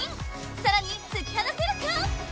さらに突き放せるか！？